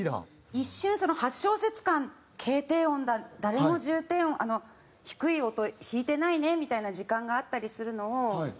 一瞬その８小節間軽低音だ誰も重低音低い音弾いてないねみたいな時間があったりするのをまあ話し合いはしないけど。